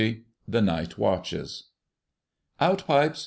* *THE NIGHT WATCHES.* "Out pipes!